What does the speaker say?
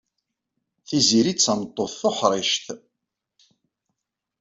Tiziri d tameṭṭut tuḥrict.